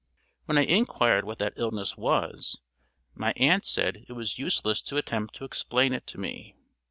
When I inquired what that illness was, my aunt said it was useless to attempt to explain it to me.